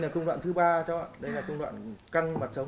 đây là công đoạn thứ ba cháu ạ đây là công đoạn căng mặt trống